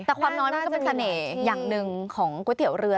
แต่ความน้อยมันก็เป็นเสน่ห์อย่างหนึ่งของก๋วยเตี๋ยวเรือ